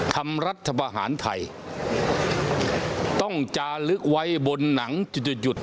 ทำรัฐประหารไทยต้องจะลึกไว้บนหนังหยุด